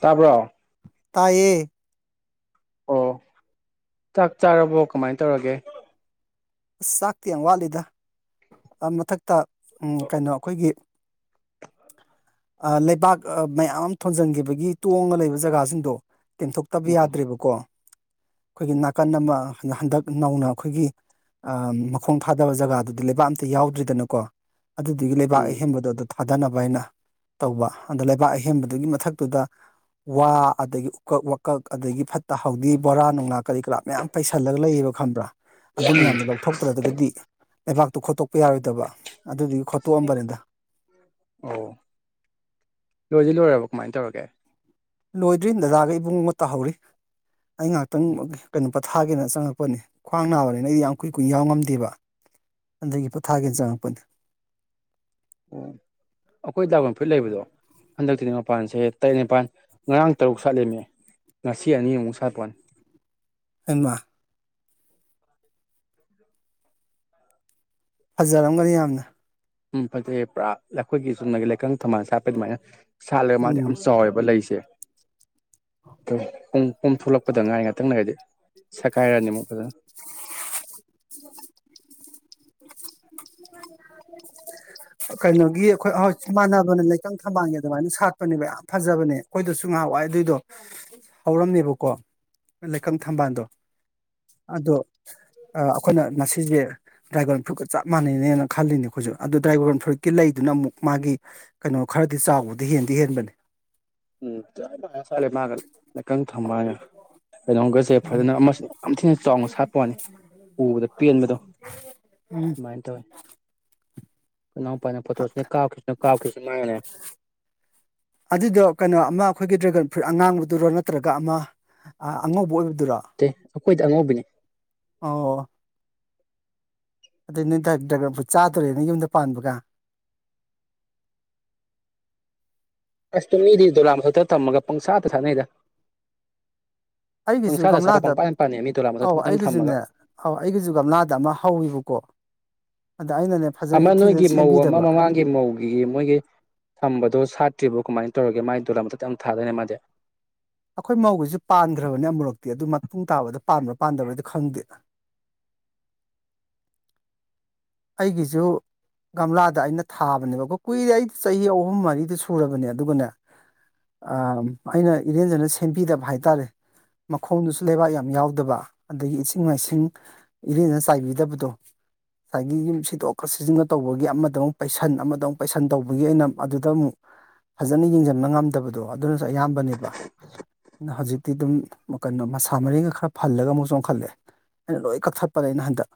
ꯇꯥꯕꯔꯣ ꯇꯥꯏꯌꯦ ꯑꯣ ꯆꯥꯛ ꯆꯥꯔꯕꯣ ꯀꯃꯥꯏꯅ ꯇꯧꯔꯒꯦ ꯆꯥꯛꯇꯤ ꯌꯥꯝ ꯋꯥꯠꯂꯤꯗ ꯃꯊꯛꯇ ꯀꯩꯅꯣ ꯑꯩꯈꯣꯏꯒꯤ ꯂꯩꯕꯥꯛ ꯃꯌꯥꯝ ꯑꯃ ꯊꯣꯟꯖꯤꯟꯈꯤꯕꯒꯤ ꯇꯣꯡꯉ ꯂꯩꯕ ꯖꯒꯥꯁꯤꯡꯗꯣ ꯇꯦꯟꯊꯣꯛꯇꯕ ꯎꯝ ꯌꯥꯗ꯭ꯔꯦꯕꯀꯣ ꯑꯩꯈꯣꯏꯒꯤ ꯅꯥꯀꯟ ꯑꯃ ꯍꯟꯗꯛ ꯅꯧꯅ ꯑꯩꯈꯣꯏꯒꯤ ꯃꯈꯣꯡ ꯊꯥꯗꯕ ꯖꯒꯥꯗꯨꯗꯤ ꯂꯩꯕꯥꯛ ꯑꯝꯇ ꯌꯥꯎꯗ꯭ꯔꯤꯗꯅꯀꯣ ꯑꯗꯨꯗꯨꯒꯤ ꯂꯩꯕꯥꯛ ꯎꯝ ꯑꯍꯦꯟꯕꯗꯣꯗ ꯊꯥꯗꯅꯕ ꯍꯥꯏꯅ ꯇꯧꯕ ꯑꯗ ꯂꯩꯕꯥꯛ ꯑꯍꯦꯟꯕꯗꯨꯒꯤ ꯃꯊꯛꯇꯨꯗ ꯋꯥ ꯑꯗꯒꯤ ꯎꯀꯛ ꯋꯥꯀꯛ ꯑꯗꯒꯤ ꯐꯠꯇ ꯍꯥꯎꯗꯤ ꯕꯣꯔꯥ ꯅꯨꯡꯂꯥꯛ ꯀꯔꯤ ꯀꯔꯥ ꯃꯌꯥꯝ ꯄꯩꯁꯜꯂꯒ ꯂꯩꯌꯦꯕ ꯈꯪꯕ꯭ꯔꯥ ꯑꯗꯨ ꯎꯝ ꯃꯌꯥꯝꯗꯣ ꯂꯧꯊꯣꯛꯇ꯭ꯔꯒꯗꯤ ꯂꯩꯕꯥꯛꯇꯨ ꯈꯣꯠꯇꯣꯛꯄ ꯌꯥꯔꯣꯏꯗꯕ ꯑꯗꯨꯗꯨꯒꯤ ꯈꯣꯠꯇꯣꯛꯑꯝꯕꯅꯤꯗ ꯑꯣ ꯂꯣꯏꯁꯤ ꯂꯣꯏꯔꯕ ꯀꯃꯥꯏꯅ ꯇꯧꯔꯒꯦ ꯀ ꯂꯣꯏꯗ꯭ꯔꯤ ꯅꯗꯥꯒ ꯏꯕꯨꯡ ꯑꯃ ꯇꯥꯍꯧꯔꯤ ꯑꯩ ꯉꯥꯏꯍꯥꯛꯇꯪ ꯀꯩꯅꯣ ꯄꯊꯥꯒꯦꯅ ꯆꯪꯉꯛꯄꯅꯤ ꯈ꯭ꯋꯥꯡ ꯅꯥꯕꯅꯤꯅ ꯑꯩꯗꯤ ꯌꯥꯝ ꯀꯨꯏ ꯀꯨꯏ ꯌꯥꯎ ꯉꯝꯗꯦꯕ ꯑꯟꯗꯒꯤ ꯄꯣꯊꯥꯒꯦꯅ ꯆꯪꯉꯛꯄꯅꯦ ꯑꯣ ꯑꯩꯈꯣꯏ ꯗꯥꯕꯟ ꯐꯨꯔꯤꯠ ꯂꯩꯕꯗꯣ ꯍꯟꯗꯛꯇꯤꯗꯤ ꯃꯄꯥꯟꯁꯦ ꯇꯔꯦꯠ ꯅꯤꯄꯥꯜ ꯉꯔꯥꯡ ꯇꯔꯨꯛ ꯁꯥꯠꯂꯤꯃꯤ ꯉꯁꯤ ꯑꯅꯤ ꯑꯃꯨꯛ ꯁꯥꯄꯜ ꯑꯃ ꯐꯖꯔꯝꯒꯅꯤ ꯌꯥꯝꯅ ꯎꯝ ꯐꯖꯩꯦ ꯄꯨꯔꯥ ꯑꯩꯈꯣꯏꯒꯤ ꯆꯨꯝꯅꯒꯤ ꯂꯩꯀꯪ ꯊꯝꯕꯥꯜ ꯁꯥꯠꯄꯩ ꯑꯗꯨꯃꯥꯏꯅ ꯁꯥꯠꯂꯒ ꯃꯥꯗꯤ ꯎꯝ ꯌꯥꯝ ꯆꯥꯎꯋꯦꯕ ꯂꯩꯁꯦ ꯑꯗꯨ ꯄꯨꯡ ꯄꯣꯝ ꯊꯣꯛꯂꯛꯄꯗ ꯉꯥꯥꯏ ꯉꯥꯛꯇꯪꯅꯒꯗꯤ ꯁꯒꯥꯏꯔꯅꯤ ꯑꯃꯨꯛ ꯐꯖꯅ [unintelligible] ꯍ ꯎ [unintelligible] ꯀꯩꯅꯣꯒꯤ ꯑꯩꯈꯣꯏꯣꯏ ꯆ ꯃꯥꯟꯅꯕꯅ ꯂꯩꯇꯪ ꯊꯝꯕꯥꯜꯒꯤ ꯑꯗꯨꯃꯥꯏꯅ ꯁꯥꯠꯄꯅꯦꯕ ꯌꯥꯝ ꯐꯖꯕꯅꯦ ꯑꯩꯈꯣꯏꯗꯁꯨ ꯉꯥꯏꯍꯥꯛꯏ ꯑꯗꯨꯏꯗꯣ ꯍꯧꯔꯝꯃꯦꯕꯀꯣ ꯂꯩꯀꯪ ꯊꯝꯕꯥꯜꯗꯣ ꯑꯗꯣ ꯑꯩꯈꯣꯏꯅ ꯉꯁꯤꯁꯦ ꯗ꯭ꯔꯥꯏꯒꯣꯟ ꯐ꯭ꯔꯨꯠꯀ ꯆꯞ ꯃꯥꯟꯅꯩꯅꯦꯅ ꯈꯜꯂꯤꯅꯦ ꯑꯩꯈꯣꯏꯁꯨ ꯑꯗꯨꯗ ꯗ꯭ꯔꯥꯏꯕꯔ ꯋꯥꯟ ꯐꯨꯏꯠꯀꯤ ꯂꯩꯗꯨꯅ ꯑꯃꯨꯛ ꯃꯥꯒꯤ ꯀꯩꯅꯣ ꯈꯔꯗꯤ ꯆꯥꯎꯕꯗꯤ ꯍꯦꯜꯂꯤ ꯗꯤ ꯍꯦꯟꯕꯅꯤ ꯎꯝ ꯆꯦ ꯃꯥꯒ ꯀꯪ ꯊꯝꯕ ꯀꯩꯅꯣꯝꯒꯁꯦ ꯎꯝ ꯐꯖꯅ ꯌꯥꯝ ꯊꯤꯅ ꯆꯥꯎꯅ ꯁꯥꯠꯄ ꯋꯥꯅꯤ ꯎꯕꯗ ꯄꯦꯟꯕꯗꯣ ꯎꯝ ꯃꯥꯥꯏꯅꯇꯔꯦ ꯀꯅꯥꯎꯄꯥꯅ ꯐꯣꯇꯣꯁꯤꯅ ꯀꯥꯎꯞꯈꯤꯁꯤꯅ ꯀꯥꯎꯞꯈꯤꯁꯤ ꯃꯥꯅꯦ ꯑꯗꯨꯗꯣ ꯀꯩꯅꯣ ꯑꯃ ꯑꯩꯈꯣꯏꯒꯤ ꯗ꯭ꯔꯦꯒꯟ ꯐ꯭ꯔꯨꯏꯠ ꯑꯉꯥꯡꯕꯗꯨꯔꯣ ꯅꯠꯇ꯭ꯔꯒ ꯑꯃ ꯑꯉꯧꯕ ꯑꯣꯏꯕ ꯑꯦ ꯑꯩꯈꯣꯏꯗꯤ ꯑꯉꯧꯕꯤꯅꯦ ꯑꯗꯨꯗꯩ ꯅꯣꯏ ꯗ꯭ꯔꯒꯨꯠ ꯆꯥꯗꯣꯔꯦ ꯅꯪ ꯌꯨꯝꯗ ꯄꯥꯟꯕꯒ [unintelligible] ꯃꯤꯗꯤ ꯗꯣꯂꯥꯝ ꯃꯊꯛꯇ ꯊꯝꯃꯒ ꯄꯪꯁꯥꯗ ꯁꯥꯟꯅꯩꯗ ꯑꯩꯔꯤ ꯀꯁꯤꯕꯨ ꯄꯪꯁꯥꯗ ꯀꯃꯂ ꯁꯥꯔ ꯍꯥ ꯇꯞ ꯄꯪꯄꯥꯟ ꯄꯥꯟꯅꯩ ꯃꯤ ꯗꯣꯂꯥ ꯃꯊꯛꯇ ꯑꯧ ꯄꯪꯊꯝ ꯊꯝꯃꯒ ꯑꯩꯒꯤꯁꯨꯅꯦ ꯑꯧ ꯑꯩꯒꯤꯁꯨ ꯒꯝꯂꯥꯗ ꯑꯃ ꯍꯧꯋꯕꯀꯣ ꯑꯃ ꯅꯣꯏꯒꯤ ꯃꯧ ꯑꯃ ꯃꯃꯥꯡꯒꯤ ꯃꯧꯒꯤ ꯃꯣꯏꯒꯤ ꯊꯝꯕꯗꯣ ꯁꯥꯠꯇ꯭ꯔꯤꯕ ꯀꯃꯥꯏꯅ ꯇꯧꯔꯒꯦ ꯃꯥꯒꯤ ꯗꯣꯂꯥꯊ ꯌꯥꯝ ꯊꯥꯗꯣꯏꯅ ꯃꯥꯗꯤ ꯑꯩꯈꯣꯏ ꯃꯧꯧꯕꯁꯨ ꯄꯥꯟꯈ꯭ꯔꯕꯅꯦ ꯑꯃꯨꯔꯛꯇꯤ ꯑꯗꯨ ꯃꯇꯨꯡ ꯇꯥꯕꯗ ꯄꯥꯟꯕ꯭ꯔꯥ ꯄꯥꯟꯗꯕ꯭ꯔꯥꯗꯤ ꯈꯪꯗꯦꯗ [unintelligible] ꯑꯩꯒꯤꯁꯨ ꯒꯝꯂꯥꯗ ꯑꯩꯅ ꯊꯥꯕꯅꯦꯕ ꯑꯩꯈꯣꯏ ꯀꯨꯏꯔꯦ ꯑꯩ ꯆꯍꯤ ꯑꯍꯨꯝ ꯃꯔꯤꯗ ꯁꯨꯔꯕꯅꯦ ꯑꯗꯨꯒꯅꯦ ꯑ ꯑꯩꯅ ꯏꯔꯦꯟꯖꯅ ꯁꯦꯝꯕꯤꯗꯕ ꯍꯥꯏꯇꯥꯔꯦ ꯃꯈꯣꯡꯗꯨꯁꯨ ꯂꯩꯕꯥꯛ ꯌꯥꯝ ꯌꯥꯎꯗꯕ ꯑꯗꯒꯤ ꯏꯁꯤꯡ ꯃꯥꯏꯁꯤꯡ ꯏꯔꯦꯅ ꯆꯥꯏꯕꯤꯗꯕꯗꯣ ꯉꯁꯥꯏꯒꯤ ꯌꯨꯝ ꯁꯤꯗꯣꯛꯑꯀ ꯁꯤꯖꯤꯟꯅ ꯇꯧꯕꯒꯤ ꯑꯃꯗ ꯑꯃꯨꯛ ꯄꯩꯁꯟ ꯑꯃꯗ ꯑꯃꯨꯛ ꯄꯩꯁꯟ ꯇꯧꯕꯒꯤ ꯑꯣꯏꯅ ꯑꯗꯨꯗ ꯑꯃꯨꯛ ꯐꯖꯅ ꯌꯦꯡꯁꯤꯟꯕ ꯉꯝꯗꯕꯗꯣ ꯑꯗꯨꯅꯁꯨ ꯑꯌꯥꯝꯕꯅꯦꯕ ꯍꯧꯖꯤꯛꯇꯤ ꯑꯗꯨꯝ ꯀꯩꯅꯣ ꯃꯁꯥ ꯃꯔꯤꯒ ꯈꯔ ꯐꯜꯂꯒ ꯑꯃꯨꯛ ꯆꯣꯡꯈꯠꯂꯛꯑꯦ ꯑꯩꯅ ꯂꯣꯏ ꯀꯛꯊꯠꯄ ꯂꯩꯩꯅ ꯍꯟꯗꯛ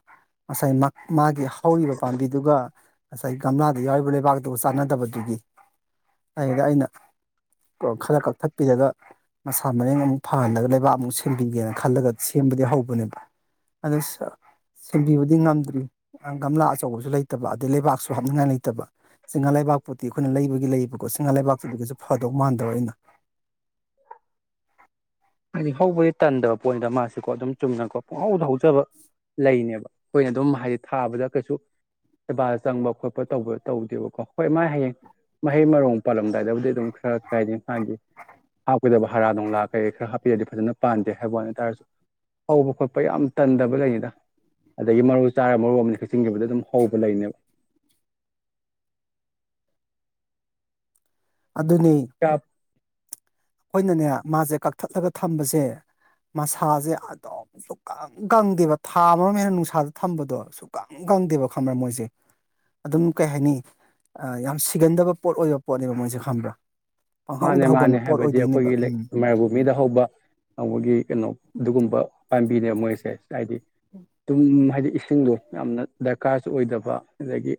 ꯉꯁꯥꯏ ꯃꯥꯒꯤ ꯍꯧꯔꯤꯕ ꯄꯥꯝꯕꯤꯗꯨꯒ ꯉꯁꯥꯏ ꯒꯝꯂꯥꯗ ꯌꯥꯎꯔꯤꯕ ꯂꯩꯕꯥꯛꯇꯒ ꯆꯥꯟꯅꯗꯕꯗꯨꯒꯤ ꯑꯗꯨꯗ ꯑꯩꯅ ꯈꯔ ꯀꯛꯊꯠꯄꯤꯔꯒ ꯃꯁꯥ ꯃꯔꯦꯡ ꯑꯃꯨꯛ ꯐꯍꯜꯂꯒ ꯂꯩꯕꯥꯛ ꯑꯃꯨꯛ ꯁꯦꯝꯕꯤꯒꯦꯅ ꯈꯜꯂꯒ ꯁꯦꯝ ꯕꯗꯤ ꯍꯧꯕꯅꯦꯕ ꯑ ꯁꯦꯝꯕꯤꯕꯗꯤ ꯉꯝꯗ꯭ꯔꯤ ꯒꯝꯂꯥ ꯑꯆꯧꯕꯁꯨ ꯂꯩꯇꯕ ꯑꯗꯩ ꯂꯩꯕꯥꯛꯁꯨ ꯍꯥꯞꯅꯤꯡꯉꯥꯏ ꯂꯩꯇꯕ ꯆꯤꯡꯉꯥ ꯂꯩꯕꯥꯛꯄꯨꯗꯤ ꯑꯩꯈꯣꯏꯅ ꯂꯩꯕꯒꯤ ꯂꯩꯌꯦꯕꯀꯣ ꯆꯤꯡꯉꯥ ꯂꯩꯕꯥꯛꯇꯨꯒꯤꯁꯨ ꯐꯗꯧ ꯃꯥꯟꯗꯕ ꯑꯩꯅ [unintelligible] ꯍꯥꯏꯗꯤ ꯍꯧꯕꯗꯤ ꯇꯟꯗꯕ ꯄꯣꯏꯟꯗ ꯃꯥꯁꯤꯀꯣ ꯑꯗꯨꯝ ꯆꯨꯝꯅꯀꯣ ꯄꯨꯡꯍꯧꯗ ꯍꯧꯖꯕ ꯂꯩꯅꯦꯕ ꯑꯩꯈꯣꯏꯅ ꯑꯗꯨꯝ ꯍꯥꯏꯗꯤ ꯊꯥꯕꯗ ꯀꯩꯁꯨ ꯁꯦꯕꯥ ꯆꯪꯕ ꯈꯣꯠꯄ ꯇꯧꯕ ꯇꯧꯗꯦꯕꯀꯣ ꯍꯣꯏ ꯃꯥꯥꯏ ꯍꯌꯦꯡ ꯃꯍꯩ ꯃꯔꯣꯡ ꯄꯥꯜꯂꯝꯗꯥꯏꯗꯕꯨꯗꯤ ꯑꯗꯨꯝ ꯈꯔ ꯀꯥꯏꯗ ꯃꯥꯒꯤ ꯍꯥꯞꯀꯗꯕ ꯍꯥꯔ ꯅꯨꯡꯂꯥ ꯀꯩꯩ ꯈꯔ ꯁꯤꯗꯗꯤ ꯐꯖꯅ ꯄꯥꯟꯗꯦ ꯍꯥꯏꯕ ꯋꯥ ꯇꯥꯔꯁꯨ ꯍꯧꯕ ꯈꯣꯠꯄ ꯌꯥꯝ ꯇꯟꯗꯕ ꯂꯩꯅꯤꯅ ꯑꯗꯒꯤ ꯃꯔꯨ ꯆꯥꯔꯒ ꯃꯔꯨ ꯑꯃꯗꯤ ꯀꯛꯆꯤꯡꯈꯤꯕꯗ ꯑꯗꯨꯝ ꯍꯧꯕ ꯂꯩꯅꯦꯕ [inaudible] ꯑꯗꯨꯅꯤ ꯀꯌꯥ ꯑꯩꯈꯣꯏꯅꯅꯦ ꯃꯥꯁꯦ ꯀꯛꯊꯠꯂꯒ ꯊꯝꯕꯁꯦ ꯃꯁꯥꯁꯦ ꯑꯗꯨꯝ ꯁꯨꯛꯀꯪ ꯀꯪꯗꯦꯕ ꯊꯥ ꯃꯔꯣ ꯍꯦꯟꯅ ꯅꯨꯡꯁꯥꯗ ꯊꯝꯕꯗꯣ ꯁꯨꯛꯀꯪ ꯈꯪꯗꯦꯕ ꯈ ꯑꯃꯔ ꯃꯣꯏꯁꯦ ꯑꯗꯨꯝ ꯀꯩ ꯍꯥꯏꯅꯤ ꯌꯥꯝ ꯁꯤꯒꯟꯗꯕ ꯄꯣꯠ ꯑꯣꯏꯕ ꯄꯣꯠꯅꯦꯕ ꯃꯣꯏꯁꯦ ꯈꯪꯕ꯭ꯔꯥ ꯑ ꯍꯗ ꯃꯥꯅꯦ ꯍꯒ ꯃꯥꯅꯦ ꯍꯥꯏꯕꯗꯤ ꯑꯩꯈꯣꯏꯒꯤ ꯃꯥꯏꯔꯥꯚꯨꯃꯤꯗ ꯍꯧꯕ ꯅꯒꯤ ꯀꯩꯅꯣ ꯑꯗꯨꯒꯨꯝꯕ ꯄꯥꯝꯕꯤꯅꯦ ꯃꯣꯏꯁꯦ ꯍꯥꯏꯗꯤ ꯑꯗꯨꯝ ꯍꯥꯏꯗꯤ ꯏꯁꯤꯡꯗꯣ ꯌꯥꯝꯅ ꯗꯔꯀꯥꯔꯁꯨ ꯑꯣꯏꯗꯕ ꯑꯗꯒꯤ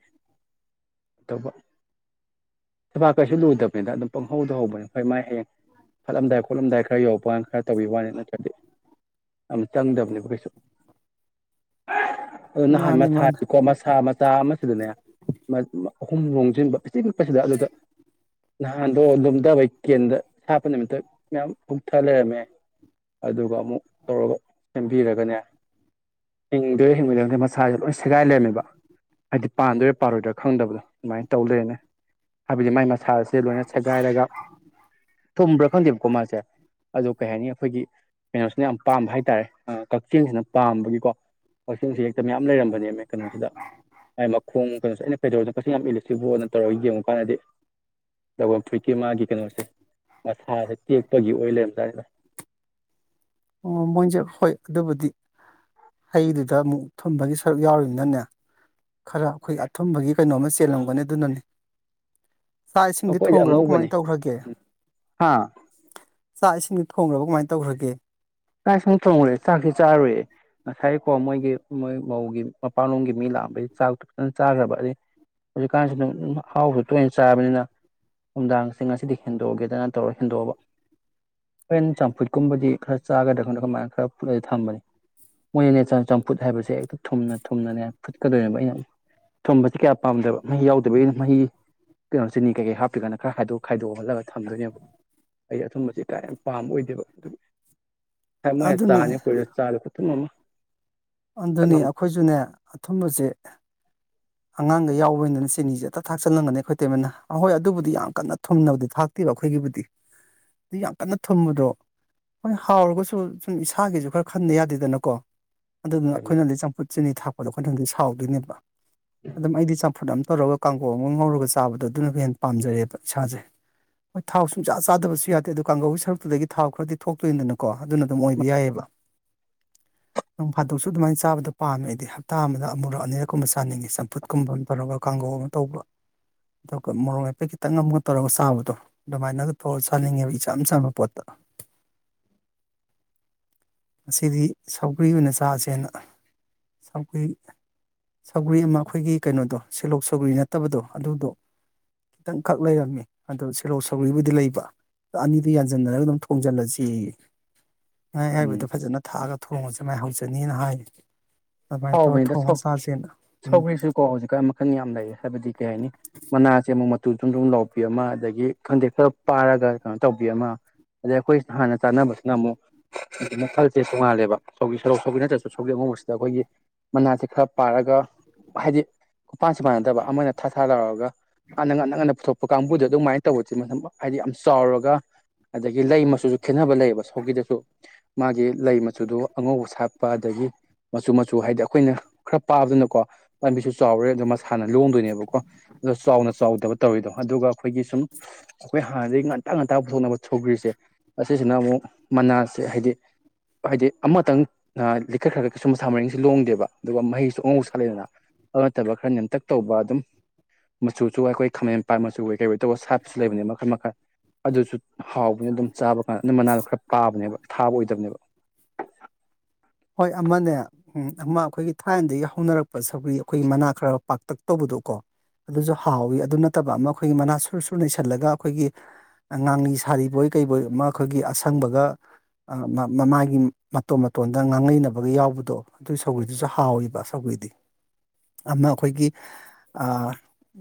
ꯊꯕ ꯀꯩꯁꯨ ꯂꯣꯏꯗꯕꯅꯤꯅ ꯑꯗꯨꯝ ꯄꯪꯍꯧꯗ ꯍꯧꯕꯅꯦ ꯍꯣꯏ ꯃꯥ ꯍꯌꯦꯡ ꯄꯠꯂꯝꯗꯥꯏ ꯈꯣꯠꯂꯝꯗꯥꯏ ꯈꯔ ꯌꯧꯔꯛꯄꯅ ꯈꯔ ꯇꯧꯕꯤ ꯋꯥꯅꯤ ꯅꯠꯇ꯭ꯔꯗꯤ ꯌꯥꯝꯅ ꯆꯪꯗꯕꯅꯦꯕ ꯀꯩꯁꯨ ꯑꯗꯨ ꯅꯍꯥꯟ ꯃꯥꯅꯦ ꯃꯥꯅꯦ ꯃꯁꯥꯀꯣ ꯃꯁꯥ ꯃꯆꯥ ꯑꯃꯁꯤꯗꯅꯦ ꯑꯍꯨꯝ ꯂꯣꯝꯁꯤꯟꯕ ꯐꯤꯛꯄꯁꯤꯗ ꯑꯗꯨꯗ ꯅꯍꯥꯟꯗꯣ ꯑꯗꯨꯨꯝꯝꯗꯕ ꯀꯦꯟꯗ ꯁꯥꯞꯄ ꯅꯨꯃꯤꯠꯇ ꯃꯌꯥꯝ ꯍꯨꯛꯊ ꯂꯩꯔꯝꯃꯦ ꯑꯗꯨꯒ ꯑꯃꯨꯛ ꯇꯧꯔꯒ ꯁꯦꯝꯕꯤꯔꯒꯅꯦ ꯍꯤꯡꯗꯣꯏꯔ ꯍꯤꯡꯉꯣꯏꯗꯣꯏ ꯈꯩ ꯃꯆꯥꯥꯁꯦ ꯂꯣꯏꯅ ꯁꯦꯒꯥꯏ ꯂꯩꯔꯝꯃꯦꯕ ꯍꯥꯏꯗꯤ ꯄꯥꯟꯗꯣꯏꯔꯥ ꯄꯥꯔꯣꯏꯗꯣꯏꯔꯥ ꯈꯪꯗꯕꯗꯣ ꯑꯗꯨꯃꯥꯏꯅ ꯇꯧꯗꯔꯦꯅꯦ ꯍꯥꯏꯕꯗꯤ ꯃꯥꯏ ꯃꯥꯁ ꯁꯥꯁꯦ ꯂꯣꯏꯅ ꯁꯦꯒꯥꯏꯔꯒ ꯊꯨꯝꯕ꯭ꯔꯥ ꯈꯪꯗꯦꯕꯀꯣ ꯃꯥꯁꯦ ꯑꯗꯨ ꯀꯩ ꯍꯥꯏꯅꯤ ꯑꯩꯈꯣꯏꯒꯤ ꯀꯩꯅꯣꯁꯤꯅ ꯌꯥꯝ ꯄꯥꯝꯕ ꯍꯥꯏꯇꯥꯔꯦ ꯀꯛꯆꯤꯡꯁꯤꯅ ꯄꯥꯝꯕꯒꯤꯀꯣ ꯋꯥꯁꯤ ꯍꯦꯛꯇ ꯃꯌꯥꯝ ꯂꯩꯔꯝꯕꯅꯦꯃꯦ ꯀꯩꯅꯣꯁꯤꯗ ꯍꯥꯏ ꯃꯈꯣꯡ ꯀꯩꯅꯣ ꯑꯩꯅ ꯀꯩꯗꯧꯗ ꯀꯁꯤ ꯌꯥꯝ ꯏꯂꯁꯤꯕꯣꯗ ꯇꯧꯔꯒ ꯌꯦꯡꯉꯨ ꯀꯥꯟꯗꯗꯤ ꯂꯧꯐꯝ ꯐꯨꯏꯠꯀꯤ ꯃꯥꯒꯤ ꯀꯩꯅꯣꯁꯦ ꯃꯁꯥꯁꯦ ꯇꯦꯛꯄꯒꯤ ꯑꯣꯏ ꯂꯩꯔꯝꯗꯥꯏꯅꯦ ꯑꯣ ꯃꯣꯏꯁꯦ ꯍꯣꯏ ꯑꯗꯨꯕꯨꯗꯤ ꯍꯩꯗꯨꯗ ꯑꯃꯨꯛ ꯊꯝꯕꯒꯤ ꯁꯔꯨꯛ ꯌꯥꯎꯔꯤꯕꯃꯤꯅꯅꯦ ꯈꯔ ꯑꯩꯈꯣꯏ ꯑꯊꯨꯝꯕꯒꯤ ꯀꯩꯅꯣꯝꯃ ꯆꯦꯜꯂꯝꯒꯅꯤ ꯑꯗꯨꯅꯅꯤ ꯆꯥꯛ ꯏꯁꯤꯡꯗꯤ ꯑꯩꯈꯣꯏꯗꯤ ꯊꯣꯡꯈ꯭ꯔꯕ ꯑꯉꯧꯕꯅꯦ ꯀꯃꯥꯏꯅ ꯇꯧꯈ꯭ꯔꯒꯦ ꯎꯝ ꯍꯥ ꯆꯥꯛ ꯏꯁꯤꯡꯗꯨ ꯊꯣꯡꯅꯕ ꯀꯃꯥꯏꯅ ꯇꯧꯈ꯭ꯔꯒꯦ ꯀꯥꯏ ꯁꯪ ꯆꯣꯡꯔꯨꯔꯦ ꯆꯥꯛꯁꯤ ꯆꯥꯔꯨꯔꯦ ꯉꯁꯥꯏꯔꯤꯀꯣ ꯃꯣꯏꯒꯤ ꯃꯣꯏ ꯃꯧꯒꯤ ꯃꯄꯥꯟꯂꯣꯝꯒꯤ ꯃꯤ ꯂꯥꯛꯑꯝꯕꯩ ꯆꯥꯛꯇ ꯐꯖꯅ ꯆꯥꯈ꯭ꯔꯕ ꯑꯗꯩ ꯍꯧꯖꯤꯛꯀꯥꯟꯁꯤ ꯑꯗꯨꯝ ꯍꯥꯎꯁꯨ ꯇꯣꯏꯅ ꯆꯥꯕꯅꯤꯅ ꯅꯨꯡꯗꯥꯡꯁꯦ ꯉꯁꯤꯗꯤ ꯍꯦꯟꯗꯣꯛꯑꯒꯦꯗꯅ ꯇꯧꯔ ꯍꯦꯟꯗꯣꯛꯑꯕ ꯍꯣꯔꯦꯟ ꯆꯝꯐꯨꯠꯀꯨꯝꯕꯗꯤ ꯈꯔ ꯆꯥꯒꯗ ꯑꯩꯈꯣꯏꯅ ꯀꯃꯥꯏꯅ ꯈꯔꯂ ꯊꯝꯕꯅꯤ ꯃꯣꯏꯅꯅꯦ ꯆꯝꯐꯨꯠ ꯍꯥꯏꯕꯁꯦ ꯍꯦꯛꯇ ꯊꯨꯝꯅ ꯊꯨꯝꯅꯅꯦ ꯐꯨꯠꯀꯗꯣꯏꯅꯦꯕ ꯑꯩꯅ ꯊꯨꯝꯕꯁꯤ ꯀꯌꯥ ꯄꯥꯝꯗꯕ ꯃꯍꯤ ꯌꯥꯎꯗꯕꯒꯤꯅ ꯃꯍꯤ ꯀꯩꯅꯣ ꯆꯤꯅꯤ ꯀꯩꯀꯩ ꯍꯥꯞꯄꯤꯒꯅ ꯈꯔ ꯈꯗꯣꯛ ꯈꯥꯏꯗꯣꯛꯍꯜꯂꯒ ꯊꯝꯗꯣꯏꯅꯦꯕ ꯑꯩ ꯑꯊꯨꯝꯕꯕꯁꯤ ꯀ ꯌꯥꯝ ꯄꯥꯝꯕ ꯑꯣꯏꯗꯦꯕ ꯑꯗꯨꯒꯤ ꯍ ꯃꯣꯏ ꯑꯗꯨꯅꯦ ꯆꯥꯅꯤ ꯄꯨ ꯆꯥꯠꯇ ꯃꯃ ꯑꯗꯨꯅꯤ ꯑꯩꯈꯣꯏꯁꯨꯅꯦ ꯑꯊꯨꯝꯕꯁꯦ ꯑꯉꯥꯡꯒ ꯌꯥꯎꯕꯩꯅꯤꯅ ꯆꯤꯅꯤꯁꯦ ꯍꯇ ꯊꯥꯛꯆꯜꯂꯝꯒꯅꯤ ꯈꯣꯏ ꯇꯩꯃꯟꯅ ꯑꯍꯣꯏ ꯑꯗꯨꯕꯨꯗꯤ ꯌꯥꯝ ꯀꯟꯅ ꯊꯨꯝꯅꯕꯗꯤ ꯊꯥꯛꯇꯦ ꯑꯩꯈꯣꯏꯒꯤꯕꯨꯗꯤ ꯑꯗꯨ ꯌꯥꯝ ꯀꯟꯅ ꯊꯨꯝꯕꯗꯣ ꯍꯣꯏ ꯍꯥꯎꯔꯒꯁꯨ ꯁꯨꯝ ꯏꯁꯥꯒꯤꯁꯨ ꯈꯔ ꯈꯟꯗ ꯌꯥꯗꯦꯗꯅꯀꯣ ꯑꯗꯨꯗꯨꯅ ꯑꯣꯏꯃꯛ ꯑꯩꯈꯣꯏꯅꯗꯤ ꯆꯝꯐꯨꯠ ꯆꯤꯅꯤ ꯊꯥꯛꯄꯗꯣ ꯑꯩꯈꯣꯏꯅꯪꯗꯤ ꯁꯥꯎꯗꯣꯏꯅꯦꯕ ꯑꯗꯨꯝ ꯑꯩꯗꯤ ꯆꯝꯐꯨꯠ ꯑꯃ ꯇꯧꯔꯒ ꯀꯥꯡꯒꯣꯛ ꯑꯃ ꯉꯧꯔꯒ ꯆꯥꯕꯗꯣ ꯑꯗꯨꯅ ꯍꯦꯟꯅ ꯄꯥꯝꯖꯔꯦꯕ ꯏꯁꯥꯁꯦ ꯍꯣꯏ ꯊꯥꯎ ꯁꯨꯡꯆꯥ ꯆꯥꯗꯕꯁꯨ ꯌꯥꯗꯦ ꯑꯗꯨꯗ ꯀꯥꯡꯒꯧꯒꯤ ꯁꯔꯨꯛꯇꯨꯗꯒꯤ ꯊꯥꯎ ꯈꯔꯗꯤ ꯊꯣꯛꯇꯣꯏꯅꯤꯗꯅꯀꯣ ꯑꯗꯨꯅ ꯑꯗꯨꯝ ꯑꯣꯏꯕ ꯌꯥꯏꯑꯕ [inaudible] ꯅꯣꯡ ꯐꯥꯗꯣꯛꯁꯨ ꯑꯗꯨꯃꯥꯏꯅ ꯆꯥꯕꯗ ꯄꯥꯝꯃꯦ ꯑꯩꯗꯤ ꯍꯞꯇꯥ ꯑꯃꯗ ꯑꯃꯨꯔꯛ ꯑꯅꯤꯔꯛꯀꯨꯝꯕ ꯆꯥꯅꯤꯡꯉꯤ ꯆꯄ ꯐꯨꯠꯀꯨꯝꯕ ꯑꯃ ꯇꯧꯔꯒ ꯀꯥꯡꯒꯧ ꯑꯃ ꯇꯧꯕ ꯑꯗꯨꯒ ꯃꯣꯔꯣꯛ ꯃꯄꯦꯛ ꯈꯤꯇꯪ ꯑꯃꯝꯒ ꯇꯧꯔꯒ ꯆꯥꯕꯗꯣ ꯑꯗꯨꯃꯥꯏꯅꯒ ꯊꯧꯔ ꯆꯥꯅꯤꯡꯉꯦꯕ ꯏꯆꯝ ꯆꯝꯕ ꯄꯣꯠꯇ [inaudible] ꯑꯁꯤꯗꯤ ꯁꯧꯒ꯭ꯔꯤ ꯑꯣꯏꯅ ꯆꯥꯁꯦꯅ ꯁꯒꯣꯏ ꯁꯧꯔꯤ ꯑꯃꯥ ꯑꯩꯈꯣꯏꯒꯤ ꯀꯩꯅꯣꯗꯣ ꯁꯦꯂꯣꯛ ꯁꯧꯒꯔꯤ ꯅꯠꯇꯕꯗꯣ ꯑꯗꯨꯗꯣ ꯈꯤꯇꯪ ꯈꯛ ꯂꯩꯔꯝꯃꯤ ꯑꯗꯣ ꯁꯦꯔꯧ ꯁꯧꯒꯔꯤꯕꯕꯨꯗꯤ ꯂꯩꯕ ꯑꯅꯤꯗꯨ ꯌꯥꯟꯁꯤꯟꯅꯔꯒ ꯑꯗꯨꯝ ꯊꯣꯡꯖꯤꯜꯂꯁꯤ ꯉꯥ ꯎꯝ ꯑꯌꯥꯏꯕꯗ ꯐꯖꯅ ꯊꯥꯛꯑꯒ ꯊꯣꯡꯉꯁꯦ ꯃꯥꯏꯍꯧꯖꯅꯤꯅ ꯍꯥꯏ ꯑꯗꯨꯃꯥꯏꯅ ꯇꯧꯔꯒ ꯍꯥꯎꯕꯅꯤꯗ ꯁꯧ ꯊꯣꯡꯉꯣꯡ ꯆꯥꯁꯦꯅ ꯎꯝ ꯁꯧꯒ꯭ꯔꯤꯁꯨ ꯀꯣ ꯍꯧꯖꯤꯛꯀꯥꯟ ꯃꯈꯜ ꯌꯥꯝ ꯂꯩ ꯍꯥꯏꯕꯗꯤ ꯀꯩ ꯍꯥꯏꯅꯤ ꯃꯅꯥ ꯑꯃꯨꯛ ꯃꯇꯨ ꯁꯨꯝ ꯑꯗꯨꯨꯝ ꯂꯧꯕꯕꯤ ꯑꯃ ꯑꯗꯒꯤ ꯈꯟꯗꯦꯛ ꯈꯔ ꯄꯥꯔꯒ ꯀꯩꯅꯣ ꯇꯧꯕꯤ ꯑꯃ ꯑꯗꯩ ꯑꯩꯈꯣꯏ ꯍꯥꯟꯅ ꯆꯥꯟꯅꯕꯁꯤꯅ ꯑꯃꯨꯛ ꯍꯥꯏ ꯃꯈꯜꯁꯦ ꯆꯣꯡꯉꯥꯜꯂꯦꯕ ꯁꯒꯤ ꯁꯔꯣꯛ ꯁꯧꯒꯤ ꯅꯠꯇ꯭ꯔꯁꯨ ꯁꯣꯒꯤ ꯑꯃꯨꯛ ꯁꯤꯗ ꯑꯩꯈꯣꯏꯒꯤ ꯃꯅꯥꯁꯦ ꯈꯔ ꯄꯥꯔꯒ ꯍꯥꯏꯗꯤ ꯎꯄꯥꯟꯁꯨ ꯃꯥꯟꯅꯗꯕ ꯑꯃꯅ ꯊꯥ ꯊꯥ ꯂꯧꯔꯛꯒ ꯍꯥꯟꯅ ꯉꯟꯅ ꯉꯟꯅ ꯄꯨꯊꯣꯛꯄ ꯀꯥꯡꯕꯨꯗ ꯑꯗꯨꯃꯥꯏꯅ ꯇꯧꯕꯁꯦ ꯃ ꯍꯥꯏꯗꯤ ꯌꯥꯝ ꯆꯥꯎꯔꯒ ꯑꯗꯒꯤ ꯂꯩ ꯃꯆꯨꯁꯨ ꯈꯦꯠꯅꯕ ꯂꯩꯌꯦꯕ ꯁꯣꯒꯤꯗꯁꯨ ꯃꯥꯒꯤ ꯂꯩ ꯃꯆꯨꯗ ꯑꯉꯧꯕ ꯁꯥꯠꯄ ꯑꯗꯒꯤ ꯃꯆꯨ ꯃꯆꯨ ꯨ ꯍꯥꯏꯗꯤ ꯑꯩꯈꯣꯏꯅ ꯈꯔ ꯄꯥꯕꯗꯅꯀꯣ ꯄꯥꯝꯕꯤꯁꯨ ꯆꯥꯎꯔꯦ ꯑꯣ ꯃꯁꯥꯅ ꯂꯣꯡꯗꯣꯏꯅꯦꯕꯀꯣ ꯑ ꯆꯥꯎ ꯆꯥꯎꯗꯕ ꯇꯧꯔꯤꯗꯣ ꯑꯗꯨꯒ ꯑꯩꯈꯣꯏꯒꯤ ꯁꯨꯝ ꯑꯩꯈꯣꯏ ꯍꯥꯟꯅꯗꯒꯤ ꯉꯟꯇ ꯉꯟꯇ ꯄꯨꯊꯣꯛꯅꯕ ꯁꯧꯒ꯭ꯔꯤꯁꯦ ꯁꯤꯁꯤꯅ ꯑꯃꯨꯛ ꯃꯅꯥꯁꯦ ꯍꯥꯏꯗꯤ ꯍꯥꯏꯗꯤ ꯑꯃꯇꯪ ꯂꯤꯈꯠꯈ꯭ꯔꯒ ꯀꯩꯁꯨꯝ ꯃꯁ ꯃꯔꯤ ꯁꯤ ꯂꯣꯡꯗꯦꯕ ꯑꯗꯨꯒ ꯃꯍꯩꯁꯨ ꯑꯉꯧꯕ ꯁꯥꯠꯂꯦꯗꯅ ꯑꯗꯨ ꯅꯠꯇꯕ ꯈꯔ ꯅꯦꯝꯇꯛ ꯇꯧꯕ ꯑꯗꯨꯝ ꯃꯆꯨꯁꯨ ꯑꯩꯈꯣꯏ ꯈꯥꯃꯦꯟꯄꯥꯠ ꯃꯆꯨꯒꯩ ꯀꯩ ꯀꯩ ꯇꯧꯕ ꯁꯥꯠꯄꯁꯨ ꯂꯩꯕꯅꯦ ꯃꯈꯜ ꯃꯈꯜ ꯑꯗꯨꯁꯨ ꯍꯥꯎꯕꯅꯦ ꯑꯗꯨꯝ ꯆꯥꯕ ꯀꯥꯟꯗ ꯑꯗꯨ ꯃꯅꯥꯗꯣ ꯈꯔ ꯄꯥꯕꯅꯦꯕ ꯊꯥꯕ ꯑꯣꯏꯗꯕꯅꯦꯕ ꯍꯣꯏ ꯑꯃꯅꯦ ꯎꯝ ꯑꯃ ꯑꯩꯈꯣꯏꯒꯤ ꯊꯥꯏꯅꯗꯒꯤ ꯍꯧꯅꯔꯛꯄ ꯁꯒꯔꯤ ꯑꯩꯈꯣꯏꯒꯤ ꯃꯅꯥ ꯈꯔ ꯄꯥꯛꯇꯛ ꯇꯧꯕꯗ ꯑꯗꯨ ꯀꯣ ꯑꯗꯨꯁꯨ ꯍꯥꯎꯋꯤ ꯑꯗꯨ ꯅꯠꯇꯕ ꯑꯃ ꯑꯩꯈꯣꯏꯒꯤ ꯃꯅꯥ ꯁꯨꯔ ꯁꯨꯔ ꯂꯩꯩꯁꯜꯂꯒ ꯑꯩꯈꯣꯏꯒꯤ ꯉꯥꯡꯂꯤ ꯁꯥꯔꯤꯕꯣꯏ ꯀꯩꯔꯤꯕꯣꯏ ꯑꯃ ꯑꯩꯈꯣꯏꯒꯤ ꯑꯁꯪꯕꯒ ꯃꯃꯥꯒꯤ ꯃꯇꯣꯟꯝ ꯃꯇꯣꯟ ꯗꯪ ꯉꯥꯡꯉꯩꯅꯕꯒ ꯌꯥꯎꯕꯗꯣ ꯑꯗꯨꯒꯤ ꯁꯧꯒ꯭ꯔꯤꯗꯨꯁꯨ ꯍꯥꯎꯏꯕ ꯁꯧꯒ꯭ꯔꯤꯗꯤ ꯑꯃ ꯑꯩꯈꯣꯏꯒꯤ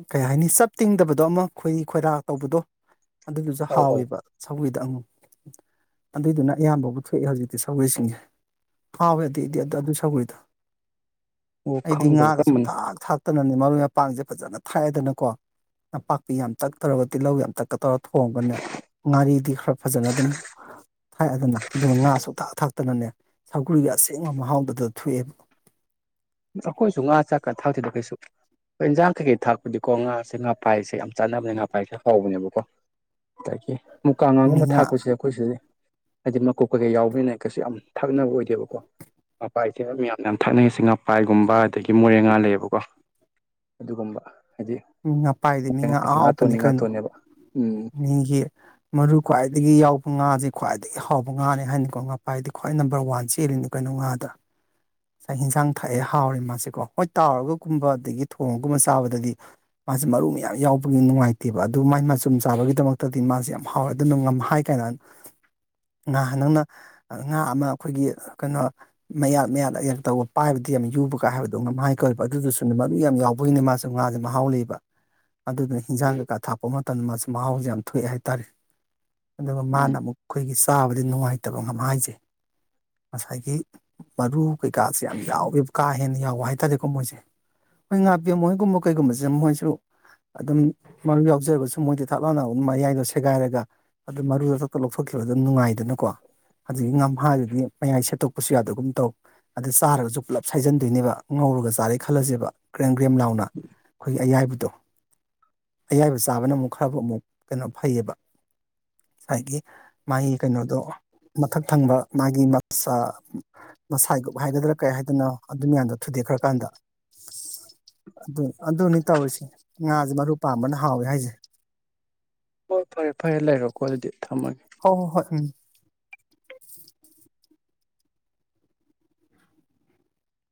ꯀꯩ ꯍꯥꯏꯅꯤ ꯆꯞ ꯇꯤꯡꯗꯕꯗꯣ ꯑꯃ ꯈꯣꯏꯔꯤ ꯈꯣꯏꯔꯥ ꯇꯧꯕꯗꯣ ꯑꯗꯨꯗꯨꯁꯨ ꯑꯧ ꯑꯧ ꯍꯥꯎꯋꯕ ꯁꯧꯤꯗ ꯑꯃꯉꯨ ꯑꯗꯨꯏꯗꯨꯅ ꯑꯌꯥꯝꯕꯕꯨ ꯊꯣꯛꯑꯦ ꯍꯧꯖꯤꯛꯇꯤ ꯁꯒꯣꯏꯁꯤꯡꯁꯦ ꯍꯥꯎꯕꯗꯤ ꯏꯗꯤ ꯑꯗꯨ ꯑꯗꯨ ꯑꯗꯨ ꯁꯒꯣꯏꯗ ꯑꯣ ꯑꯩꯗꯤ ꯈꯪꯗꯕ ꯉꯥꯒ ꯁꯨꯛ ꯀꯔꯝꯕꯅ ꯊꯥꯛ ꯊꯥꯛꯇꯅꯅꯤ ꯃꯔꯣꯏ ꯃꯄꯥꯡꯁꯦ ꯐꯖꯅ ꯊꯥꯏꯑꯗꯅꯀꯣ ꯅꯄꯥꯛꯄꯤ ꯌꯥꯝ ꯇꯛ ꯇꯧꯔꯒ ꯇꯤꯜꯍꯧ ꯌꯥꯝ ꯆꯛꯀ ꯇꯧꯔꯒ ꯊꯣꯡꯕꯅꯦ ꯉꯥꯔꯤꯗꯤ ꯈꯔ ꯐꯖꯅ ꯑꯗꯨꯝ ꯊꯥꯛꯑꯗꯅ ꯑꯗꯨꯒ ꯉꯥꯁꯨ ꯊꯥꯛ ꯊꯥꯛꯇꯅꯅꯦ ꯁꯒꯔꯤꯒꯤ ꯑꯁꯦꯡꯕ ꯃꯍꯥꯎꯕꯗ ꯊꯣꯛꯑꯦꯕ ꯑꯩꯈꯣꯏꯁꯨ ꯉꯥ ꯆꯥꯛꯀ ꯊꯥꯎꯗꯗ ꯀꯩꯁꯨ ꯍꯣꯏ ꯏꯟꯖꯥꯡ ꯀꯩꯀꯩ ꯊꯥꯛꯄꯗꯤꯀꯣ ꯉꯥꯁꯦ ꯉꯥꯐꯥꯏꯁꯦ ꯌꯥꯝ ꯆꯥꯟꯅꯕꯅꯦ ꯉꯥꯐꯥꯏꯁꯦ ꯍꯥꯎꯕꯅꯦꯕꯀꯣ ꯑꯗꯒꯤ ꯃꯨꯀꯥꯒꯥꯡꯒꯨꯝꯕ ꯃꯤꯉꯥ ꯊꯥꯛꯄꯁꯤꯗ ꯑꯩꯈꯣꯏ ꯁꯤꯗꯤ ꯍꯥꯏꯗꯤ ꯃꯀꯨꯞ ꯀꯩꯀꯩ ꯌꯥꯎꯕꯅ ꯀꯩꯁꯨ ꯌꯥꯝ ꯊꯛꯅꯕ ꯑꯣꯏꯗꯦꯕꯀꯣ ꯃꯄꯥꯁꯦ ꯃꯌꯥꯝꯅ ꯌꯥꯝ ꯊꯥꯅꯩꯁꯤ ꯉꯥ ꯎꯐꯥꯏꯒꯨꯝꯕ ꯑꯗꯒꯤ ꯃꯣꯔꯦ ꯉꯥ ꯂꯩꯌꯦꯕꯀꯣ ꯑꯗꯨꯒꯨꯝꯕ ꯍꯥꯏꯗꯤ ꯃꯤꯄꯥꯏꯗꯤ ꯃꯤ ꯃꯣꯔꯦ ꯉꯥ ꯉꯥꯁꯦ ꯑꯍꯥꯎꯄꯅꯤ ꯉꯥꯇꯣꯟꯅꯤ ꯀꯩꯅꯣ ꯉꯥꯇꯣꯟꯅꯦꯕ ꯎꯝ ꯃꯤꯒꯤ ꯃꯔꯨ ꯈ꯭ꯋꯥꯏꯗꯒꯤ ꯌꯥꯎꯕ ꯉꯥꯁꯦ ꯈ꯭ꯋꯥꯏꯗꯒꯤ ꯍꯥꯎꯕ ꯉꯥꯅꯦ ꯍꯥꯏꯅꯤꯀꯣ ꯉꯥ ꯄꯥꯏꯗꯤ ꯈ꯭ꯋꯥꯏ ꯅꯝꯕꯔ ꯋꯥꯟ ꯆꯦꯜꯂꯤꯅ ꯀꯩꯅꯣ ꯉꯥꯗ ꯉꯁꯥꯏ ꯏꯟꯁꯥꯡ ꯊꯛꯑꯦ ꯍꯥꯎꯔꯦ ꯃꯥꯁꯦꯀꯣ ꯍꯣꯏ ꯇꯥꯎꯔꯒꯒꯨꯝꯕ ꯑꯗꯒꯤ ꯊꯣꯡꯉꯒꯨꯝꯕ ꯆꯥꯕꯗꯗꯤ ꯃꯥꯁꯦ ꯃꯔꯨ ꯃꯌꯥꯝ ꯌꯥꯎꯕꯒꯤ ꯅꯨꯡꯉꯥꯏꯇꯦꯕ ꯑꯗꯨ ꯃꯥꯏ ꯃꯆꯨꯝ ꯆꯥꯕꯒꯤꯗꯃꯛꯇꯗꯤ ꯃꯥꯁꯦ ꯌꯥꯝ ꯍꯥꯎꯋꯦ ꯑꯗꯨꯅ ꯉ ꯍꯥꯏ ꯀꯥꯏ ꯌꯥ ꯉꯍꯥꯟ ꯅꯪꯅ ꯉꯥ ꯑꯃ ꯑꯩꯈꯣꯏꯒꯤ ꯀꯩꯅꯣ ꯃꯌꯥꯠ ꯃꯌꯥꯗ ꯑ ꯇꯧꯕ ꯄꯥꯏꯕꯗꯨ ꯤ ꯌꯥꯝ ꯌꯨꯕ ꯀꯥꯏ ꯍꯥꯏꯕꯗꯧꯅ ꯃꯍꯥꯏ ꯀꯧꯋꯦ ꯑꯗꯨꯗꯨꯁꯨ ꯃꯗꯨ ꯌꯥꯝ ꯌꯥꯎꯕꯒꯤꯅꯤ ꯃꯥꯁꯨ ꯉꯥꯁꯦ ꯃꯍꯥꯎ ꯂꯩꯌꯦꯕ ꯑꯗꯨꯗꯨꯅ ꯍꯤꯟꯖꯥꯡ ꯀꯩꯀꯥ ꯊꯥꯛꯄ ꯃꯇꯝꯗ ꯃꯥꯁꯨ ꯃꯍꯥꯎꯁꯦ ꯌꯥꯝ ꯊꯣꯛꯑꯦ ꯍꯥꯏꯇꯥꯔꯦ ꯑꯗꯨꯒ ꯎꯝ ꯃꯥꯅ ꯑꯃꯨꯛ ꯑꯩꯈꯣꯏꯒꯤ ꯆꯥꯕꯗꯤ ꯅꯨꯡꯉꯥꯏꯇꯕ ꯉꯝ ꯍꯥꯏꯁꯩ ꯉꯁꯥꯏꯒꯤ ꯃꯔꯨ ꯀꯩꯀꯥꯁꯦ ꯌꯥꯝ ꯌꯥꯎꯋꯦꯕ ꯀꯥ ꯍꯦꯟꯅ ꯌꯥꯎꯕ ꯍꯥꯏꯇꯥꯔꯦꯀꯣ ꯃꯣꯏꯁꯦ ꯃꯣꯏ ꯉꯥꯄꯤꯦꯝ ꯃꯣꯏꯒꯨꯝꯕ ꯀꯩꯒꯨꯝꯕꯁꯦ ꯃꯣꯏꯦ ꯁꯨ ꯑꯗꯨꯝ ꯃꯔꯨ ꯌꯥꯎꯖꯔꯒꯁꯨ ꯃꯣꯏꯗ ꯊꯥꯛ ꯂꯥꯎꯅ ꯑꯗꯨꯝ ꯃꯌꯥꯏꯗꯣ ꯁꯦꯒꯥꯏꯔꯒ ꯑꯗꯨ ꯃꯔꯨꯗ ꯆꯄ ꯂꯧꯊꯣꯛꯈꯤꯕ ꯑꯗꯨꯝ ꯅꯨꯡꯉꯥꯏꯗꯅꯀꯣ ꯑꯗꯨꯗꯒꯤ ꯉꯝꯍꯥꯗꯨꯗꯤ ꯃꯌꯥꯏ ꯁꯦꯠꯇꯣꯛꯄꯁꯨ ꯌꯥꯗꯒꯨꯝ ꯇꯧ ꯑꯗꯨ ꯆꯥꯔꯒꯁꯨ ꯄꯨꯜꯂꯞ ꯁꯥꯏꯖꯟꯗꯣꯏꯅꯦꯕ ꯉꯧꯔꯒ ꯆꯥꯔꯦ ꯈꯜꯂꯁꯦꯕ ꯀ꯭ꯔꯦꯝꯒ꯭ꯔꯦꯝ ꯂꯥꯎꯅ ꯑꯩꯈꯣꯏꯒꯤ ꯑꯌꯥꯏꯕ ꯑꯌꯥꯏꯕ ꯆꯥꯕꯅ ꯑꯃꯨꯛ ꯈꯔꯕꯨꯥꯎ ꯑꯃꯨꯛ ꯀꯩꯅꯣ ꯐꯩꯌꯦꯕ ꯉꯁꯥꯏꯒꯤ ꯃꯥꯒꯤ ꯀꯩꯅꯣꯗꯣ ꯃꯊꯛ ꯊꯪꯕ ꯃꯥꯒꯤ ꯃꯁ ꯃꯁꯥꯒꯨꯞ ꯍꯥꯏꯒꯗ꯭ꯔꯥ ꯀꯩ ꯍꯥꯏꯗꯅ ꯑꯗꯨ ꯃꯌꯥꯝꯗꯣ ꯊꯨꯗ ꯂꯩꯈ꯭ꯔꯀꯥꯟꯗ [unintelligible] ꯑꯗꯨ ꯑꯗꯨꯅꯤ ꯇꯧꯔꯤꯁꯤ ꯉꯥꯁꯦ ꯃꯔꯨ ꯄꯥꯝꯕꯅ ꯍꯥꯎꯋꯦ ꯍꯥꯏꯁꯦ ꯍꯣꯏ ꯐꯔꯦ ꯐꯔꯦ ꯂꯩꯔꯣꯀꯣ ꯑꯗꯨꯗꯤ ꯊꯝꯃꯒꯦ ꯍꯣ ꯍꯣ ꯍꯣꯏ ꯎꯝ